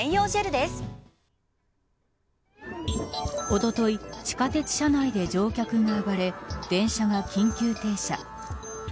おととい地下鉄車内で乗客が暴れ、電車が緊急停車。